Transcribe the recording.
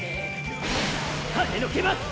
はねのけます！